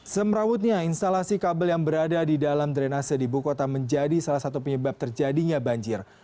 semrautnya instalasi kabel yang berada di dalam drainase di bukota menjadi salah satu penyebab terjadinya banjir